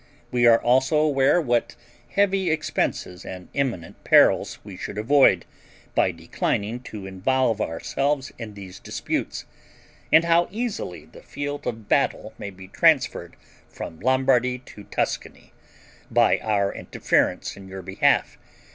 We are also aware what heavy expenses and imminent perils we should avoid, by declining to involve ourselves in these disputes; and how easily the field of battle may be transferred from Lombardy to Tuscany, by our interference in your behalf.